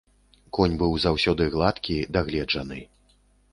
Конь быў заўсёды гладкі, дагледжаны.